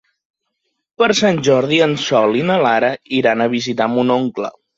Per Sant Jordi en Sol i na Lara iran a visitar mon oncle.